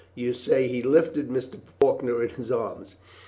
You say he lifted Mr. Faulkner in his arms.